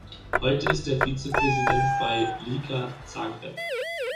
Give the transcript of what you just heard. Heute ist er Vize-Präsident bei "Lika" Zagreb.